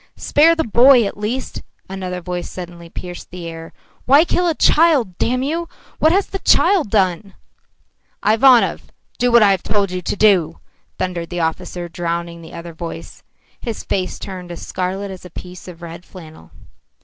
"Spare the boy at least!" another voice suddenly pierced the air. "Why kill a child, damn you! What has the child done?" "Ivanov, do what I told you to do," thundered the officer, drowning the other voice. His face turned as scarlet as a piece of red flannel.